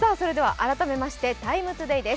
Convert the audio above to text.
改めまして「ＴＩＭＥ，ＴＯＤＡＹ」です。